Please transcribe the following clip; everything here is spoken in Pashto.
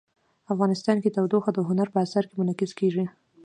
افغانستان کې تودوخه د هنر په اثار کې منعکس کېږي.